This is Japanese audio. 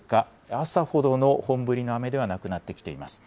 朝ほどの本降りの雨ではなくなってきています。